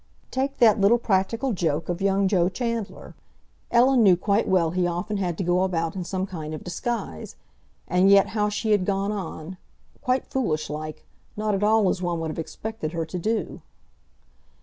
Take that little practical joke of young Joe Chandler. Ellen knew quite well he often had to go about in some kind of disguise, and yet how she had gone on, quite foolish like—not at all as one would have expected her to do.